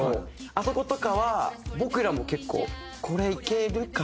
あそことかは僕らも結構これいけるかな？っていう感じで。